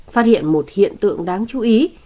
phát hiện một hiện tượng đáng chú ý